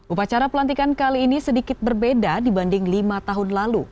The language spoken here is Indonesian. upacara pelantikan kali ini sedikit berbeda dibanding lima tahun lalu